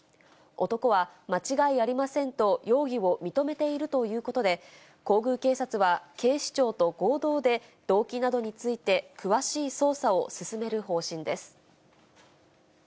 男は間違いありませんと、容疑を認めているということで、皇宮警察は、警視庁と合同で動機などについて詳しい捜査を進める方針です。